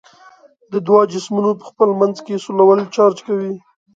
د دوو جسمونو په خپل منځ کې سولول چارج کوي.